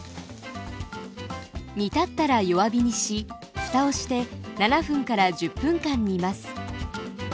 煮立ったら弱火にしふたをして７分から１０分間煮ます。